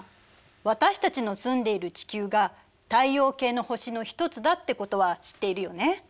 私たちの住んでいる地球が太陽系の星の一つだってことは知っているよね。